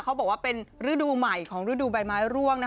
เขาบอกว่าเป็นฤดูใหม่ของฤดูใบไม้ร่วง